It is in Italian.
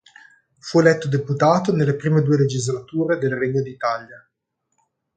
Fu eletto deputato nelle prime due legislature del Regno d'Italia.